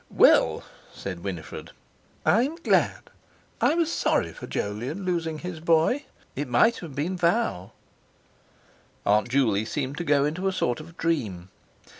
"Well," said Winifred, "I'm glad. I was sorry for Jolyon losing his boy. It might have been Val." Aunt Juley seemed to go into a sort of dream.